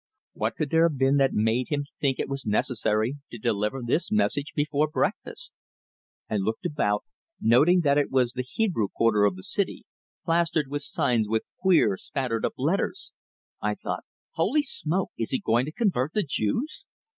What could there have been that made him think it necessary to deliver this message before breakfast? I looked about, noting that it was the Hebrew quarter of the city, plastered with signs with queer, spattered up letters. I thought: "Holy smoke! Is he going to convert the Jews?"